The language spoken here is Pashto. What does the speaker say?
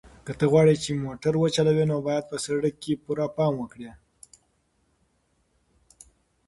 که ته غواړې چې موټر وچلوې نو باید په سړک کې پوره پام وکړې.